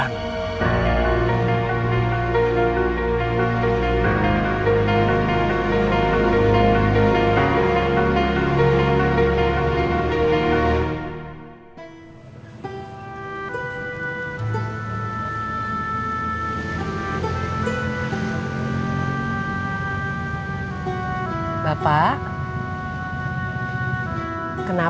habis saja jangan malu